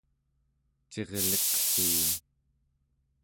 cirliqsuun